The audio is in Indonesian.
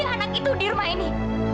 anak itu di rumah ini